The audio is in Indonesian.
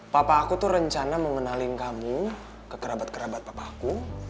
papa aku tuh rencana mengenalin kamu ke kerabat kerabat papa aku